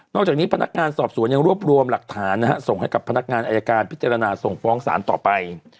จากนี้พนักงานสอบสวนยังรวบรวมหลักฐานนะฮะส่งให้กับพนักงานอายการพิจารณาส่งฟ้องศาลต่อไป